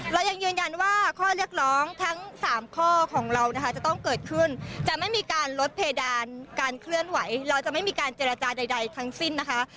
เรายังยืนยันว่าข้อเรียกร้องทั้ง๓ข้อของเรานะคะจะต้องเกิดขึ้นจะไม่มีการลดเพดานการเคลื่อนไหวเราจะไม่มีการเจรจาใดทั้งสิ้นนะคะ